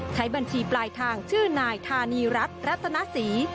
ใช้บัญชีปลายทางชื่อนายธานีรัฐรัตนศรี